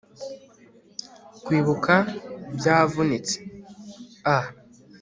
kwibuka byavunitse, a